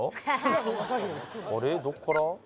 あれっどっから？